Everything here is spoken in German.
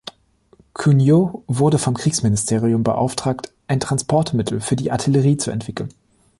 Cugnot wurde vom Kriegsministerium beauftragt, ein Transportmittel für die Artillerie zu entwickeln.